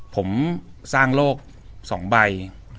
ผมสร้างโลก๒ใบ